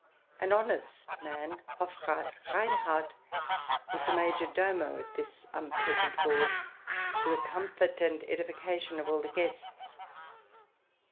An honest man, Hofrath Reinhardt, was the major domo at this unpleasant board, to the comfort and edification of all the guests.